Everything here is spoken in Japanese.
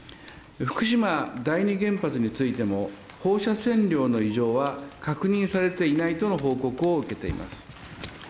福島第２原発についても、放射線量の異常は確認されていないとの報告を受けています。